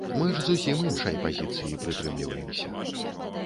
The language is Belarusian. Мы ж зусім іншай пазіцыі прытрымліваемся.